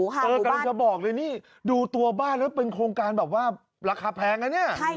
กำลังจะบอกเลยนี่ดูตัวบ้านแล้วเป็นโครงการแบบว่าราคาแพงนะเนี่ย